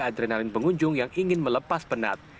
adrenalin pengunjung yang ingin melepas penat